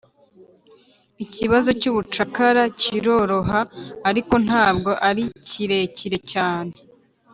ikibazo cy'ubucakara kiroroha, ariko ntabwo ari kirekire cyane